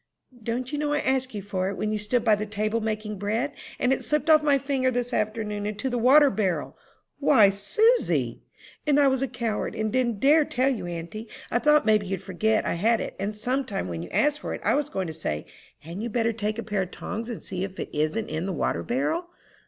"Don't you know I asked you for it when you stood by the table making bread? and it slipped off my finger this afternoon into the water barrel!" "Why, Susy!" "And I was a coward, and didn't dare tell you, auntie. I thought maybe you'd forget I had it, and some time when you asked for it, I was going to say, 'Hadn't you better take a pair of tongs and see if it isn't in the water barrel?'"